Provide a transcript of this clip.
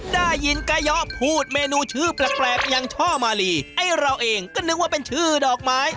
ได้ยินกะเยาะพูดเมนูชื่อแปลกอย่างช่อมาลีไอ้เราเองก็นึกว่าเป็นชื่อดอกไม้